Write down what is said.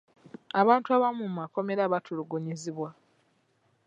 Abantu abamu mu makomera batulugunyizibwa.